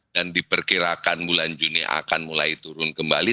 dan diperkirakan bulan juni akan mulai turun kembali